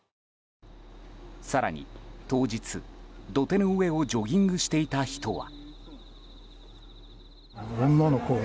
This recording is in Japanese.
更に当日、土手の上をジョギングしていた人は。